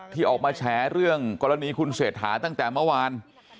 ที่ออกมาแฉเรื่องกรณีคุณเศรษฐาตั้งแต่เมื่อวาน